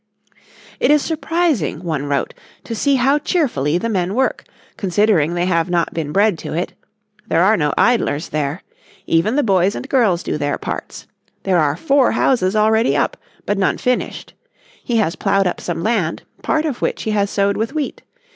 "It is surprising," one wrote, "to see how cheerfully the men work, considering they have not been bred to it. There are no idlers there. Even the boys and girls do their parts. There are four houses already up, but none finished. ... He has ploughed up some land, part of which he has sowed with wheat.